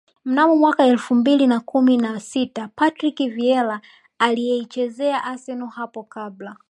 Mnamo mwaka elfu mbili na kumi na sita Patrick Vieira aliyeichezea Arsenal hapo kabla